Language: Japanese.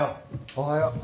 おはよう。